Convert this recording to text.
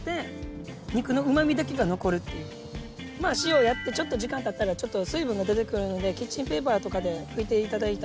塩やってちょっと時間経ったらちょっと水分が出てくるのでキッチンペーパーとかで拭いて頂いたら。